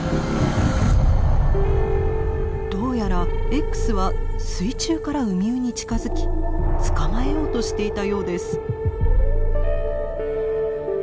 どうやらＸは水中からウミウに近づき捕まえようとしていたようです。